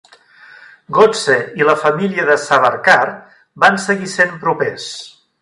Godse i la família de Savarkar van seguir sent propers.